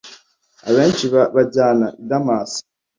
abenshi babajyana i Damasi